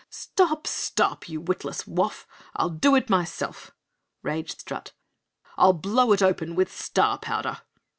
"Stop! Stop! You Witless Woff. I'll do it myself," raged Strut. "I'll blow it open with star powder!"